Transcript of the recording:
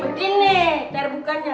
beresin nih cara bukannya